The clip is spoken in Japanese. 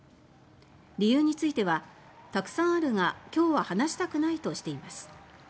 理由についてはたくさんあるが、今日は話したくないとしています。